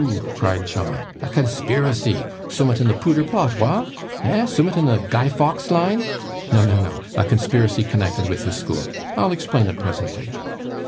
cried John, 'a conspiracy! Soom'at in the pooder plot wa'? Eh? Soom'at in the Guy Faux line?' 'No, no, no, a conspiracy connected with his school; I'll explain it presently.